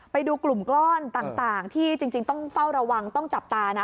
ไปดูกลุ่มก้อนต่างที่จริงต้องเฝ้าระวังต้องจับตานะ